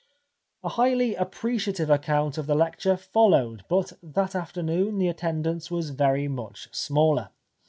A highly appreciative account of the lecture followed, but that afternoon the attendance was very much smaller.